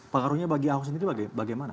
pengaruhnya bagi ahok sendiri bagaimana